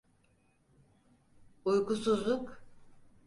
Uykusuzluk…